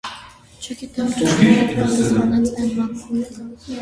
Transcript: - Չգիտեմ, ճշմարիտ,- պատասխանեց էմման: